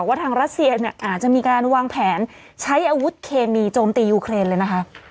ว่าทางรัสเซียเนี่ยอาจจะมีการวางแผนใช้อาวุธเคมีโจมตียูเครนเลยนะคะ